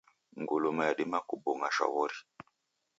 Nguluma yadima kubung'a shwa wori.